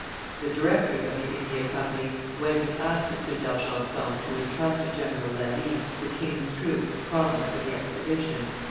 The directors of the India Company went and asked M. d'Argenson to intrust to General Lally the king's troops promised for the expedition.